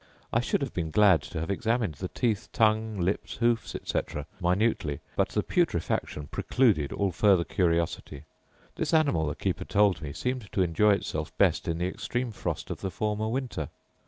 I should have been glad to have examined the teeth, tongue, lips, hoofs, etc., minutely; but the putrefaction precluded all further curiosity. This animal, the keeper told me, seemed to enjoy itself best in the extreme frost of the former winter.